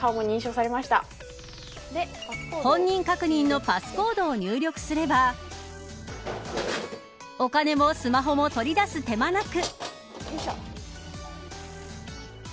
本人確認のパスコードを入力すればお金もスマホも取り出す手間なく。